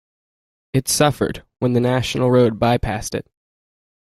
It suffered when the National Road bypassed it.